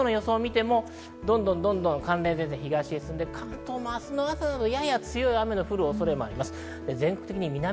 どんどん寒冷前線は東に進んで、関東も明日の朝には、やや強い雨が降る恐れがあります。